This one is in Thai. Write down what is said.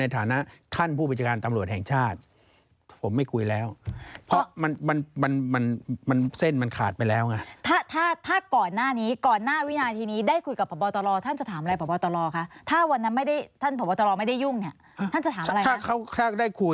ถ้าถ้าเขาได้คุยพลไม่ได้ยิ่งเนี่ยขาดได้